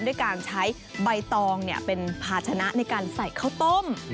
ด้วยการใช้ใบตองเป็นภาชนะในการใส่ข้าวต้ม